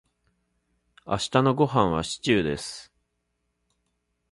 明日のごはんはシチューです。